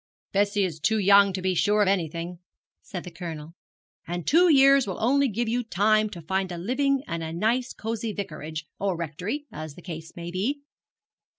'Bessie is too young to be sure of anything,' said the Colonel; 'and two years will only give you time to find a living and a nice cosy vicarage, or rectory, as the case may be.'